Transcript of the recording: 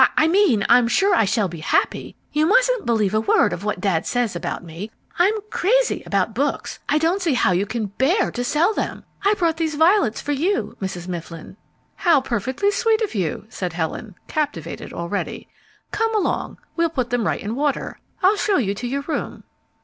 "I mean, I'm sure I shall be happy! You mustn't believe a word of what Dad says about me. I'm crazy about books. I don't see how you can bear to sell them. I brought these violets for you, Mrs. Mifflin." "How perfectly sweet of you," said Helen, captivated already. "Come along, we'll put them right in water. I'll show you your room."